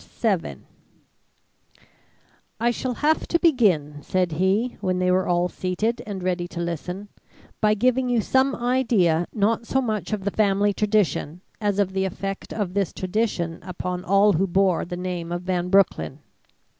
VII "I shall have to begin," said he, when they were all seated and ready to listen, "by giving you some idea, not so much of the family tradition, as of the effect of this tradition upon all who bore the name of Van Broecklyn.